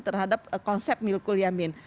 terhadap konsep milkul yamin